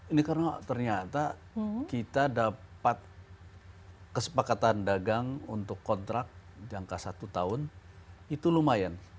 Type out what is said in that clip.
ini karena ternyata kita dapat kesepakatan dagang untuk kontrak jangka satu tahun itu lumayan